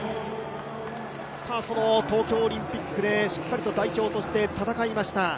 東京オリンピックでしっかりと代表として戦いました。